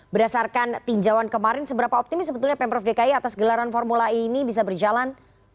berdasarkan tinjauan kemarin seberapa optimis sebetulnya pemprov dki atas gelaran formula e ini bisa berjalan